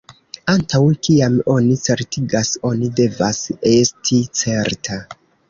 Antaŭ kiam oni certigas, oni devas esti certa.